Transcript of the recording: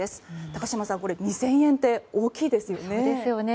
高島さん、２０００円って大きいですよね。